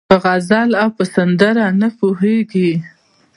په غزل او په سندره نه پوهېږي